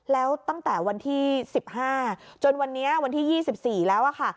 แล้วตั้งแต่วันที่๑๕จนวันนี้วันที่๒๔แล้วค่ะ